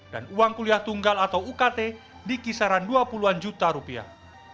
dan uang kuliah tunggal atau ukt di kisaran dua puluh an juta rupiah